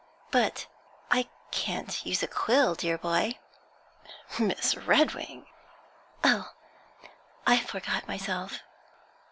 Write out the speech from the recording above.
But I can't use a quill, dear boy.' 'Miss Redwing!' 'Oh, I forgot myself.